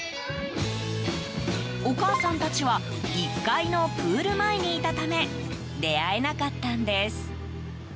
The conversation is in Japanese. お母さんたちは１階のプール前にいたため出会えなかったんです。